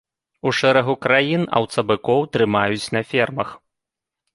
У шэрагу краін аўцабыкоў трымаюць на фермах.